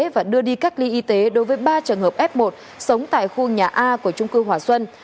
và đưa đi cách ly y tế đối với ba trường hợp f một sống tại khu nhà a của trung cư hòa xuân